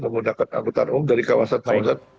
menggunakan anggota umum dari kawasan kawasan